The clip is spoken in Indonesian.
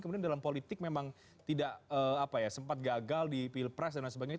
kemudian dalam politik memang tidak sempat gagal di pilpres dan lain sebagainya